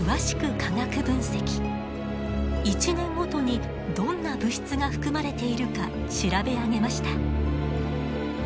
１年ごとにどんな物質が含まれているか調べ上げました。